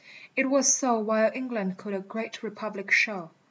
it was so While England could a great Republic show.